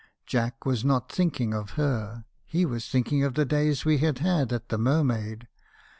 Jack was not thinking of her. He was thinking of the days we had had at the Mermaid.